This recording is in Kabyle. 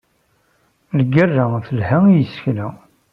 Lgerra telha i yisekla.